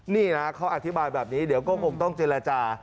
นี่นะเขาอธิบายแบบนี้เดี๋ยวก็คงต้องเจรจา